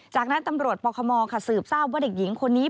จากนั้นตำรวจปคมค่ะสืบทราบว่าเด็กหญิงคนนี้